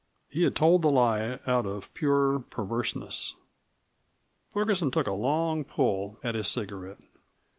He had told the lie out of pure perverseness. Ferguson took a long pull at his cigarette.